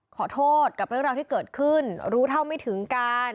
ขอโทษกับเรื่องราวที่เกิดขึ้นรู้เท่าไม่ถึงการ